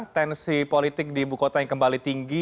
tensi politik di ibu kota yang kembali tinggi